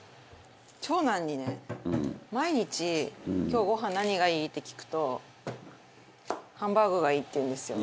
「今日ご飯何がいい？」って聞くと「ハンバーグがいい」って言うんですよ。